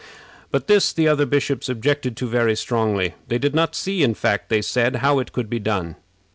But this the other bishops objected to very strongly. They did not see, in fact, they said, how it could be done.